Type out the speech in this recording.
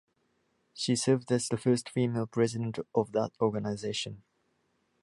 She served as the first female president of that organisation.